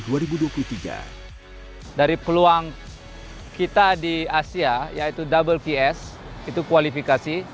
dari peluang kita di asia yaitu wps itu kualifikasi